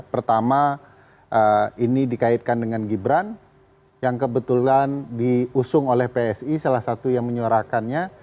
pertama ini dikaitkan dengan gibran yang kebetulan diusung oleh psi salah satu yang menyuarakannya